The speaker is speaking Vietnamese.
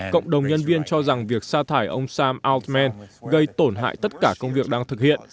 cộng đồng nhân viên cho rằng việc xa thải ông sam audman gây tổn hại tất cả công việc đang thực hiện